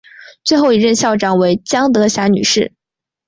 最后一任校长为江德霞女士。